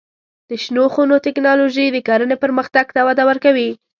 د شنو خونو تکنالوژي د کرنې پرمختګ ته وده ورکوي.